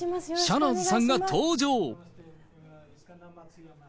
シャナーズさんが登場。